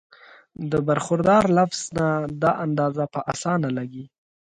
د برخوردار لفظ نه دا اندازه پۀ اسانه لګي